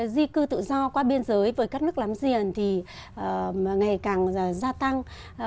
di cư tự do qua biên giới với các nước láng giềng thì ngày càng gia tăng